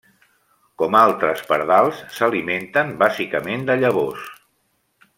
Com altres pardals, s'alimenten bàsicament de llavors.